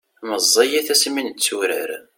meẓẓiyit asmi netturar